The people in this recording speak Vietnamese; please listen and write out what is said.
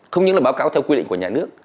không những là báo cáo theo quy định của nhà nước